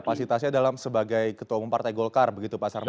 kapasitasnya dalam sebagai ketua umum partai golkar begitu pak sarman